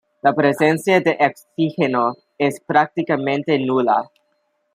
La presencia de oxígeno es prácticamente nula.